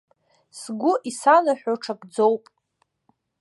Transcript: Сгәы исанаҳәо ҽакӡоуп.